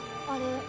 あれ。